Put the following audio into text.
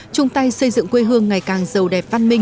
chung tay xây dựng quê hương ngày càng giàu đẹp văn minh